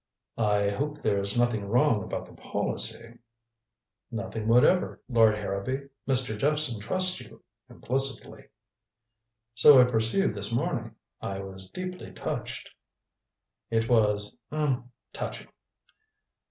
"I hope there's nothing wrong about the policy." "Nothing whatever. Lord Harrowby, Mr. Jephson trusts you implicitly." "So I perceived this morning. I was deeply touched." "It was er touching."